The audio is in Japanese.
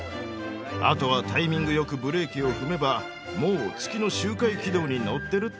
あとはタイミング良くブレーキを踏めばもう月の周回軌道に乗ってるってわけさ。